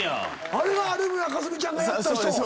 あれが有村架純ちゃんがやった人！